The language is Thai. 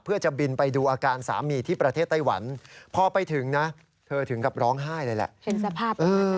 เพื่อจะบินไปดูอาการสามีที่ประเทศไต้หวันพอไปถึงนะเธอถึงกับร้องไห้เลยแหละเห็นสภาพ